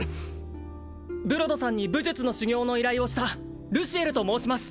ブロドさんに武術の修行の依頼をしたルシエルと申します